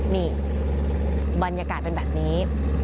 นี่บรรยากาศเป็นแบบนี้